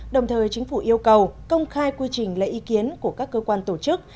đồng thời chính phủ yêu cầu công khai quy trình lấy ý kiến của các cơ quan tổ chức